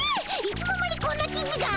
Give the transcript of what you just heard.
いつの間にこんな記事が？